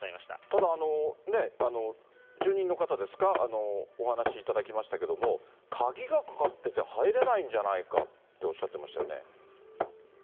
ただ、住人の方ですか、お話しいただきましたけども、鍵がかかってて入れないんじゃないかっておっしゃってましたよね。